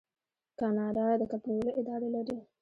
کاناډا د کب نیولو اداره لري.